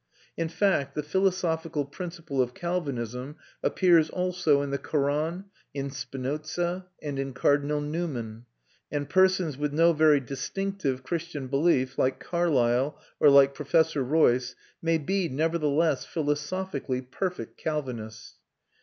In fact, the philosophical principle of Calvinism appears also in the Koran, in Spinoza, and in Cardinal Newman; and persons with no very distinctive Christian belief, like Carlyle or like Professor Royce, may be nevertheless, philosophically, perfect Calvinists.